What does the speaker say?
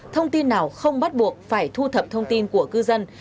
thông tin nào không bắt buộc phải thu thập thông tin của cư dân